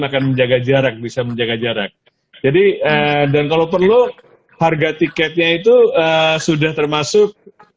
akan menjaga jarak bisa menjaga jarak jadi dan kalau perlu harga tiketnya itu sudah termasuk